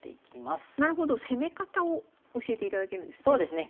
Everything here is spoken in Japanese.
なるほど攻め方を教えていただけるんですね。